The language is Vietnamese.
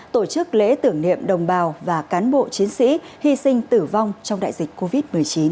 tổ chức lễ tưởng niệm đồng bào và cán bộ chiến sĩ hy sinh tử vong trong đại dịch covid một mươi chín